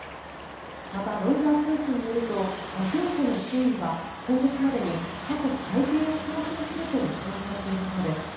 また、ロイター通信によるとガトゥン湖の水位は今月までに過去最低を更新すると予想されているそうです。